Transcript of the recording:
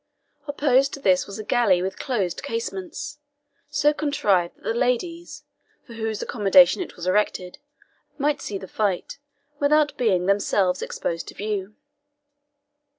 Opposed to this was a gallery with closed casements, so contrived that the ladies, for whose accommodation it was erected, might see the fight without being themselves exposed to view.